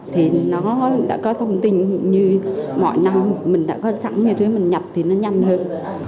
thì nó đã có thông tin như mọi năm mình đã có sẵn như thuế mình nhập thì nó nhanh hơn